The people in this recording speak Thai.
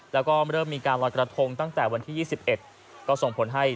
และก็มาเริ่มมีการลอยกระทงตั้งแต่วันที่๒๑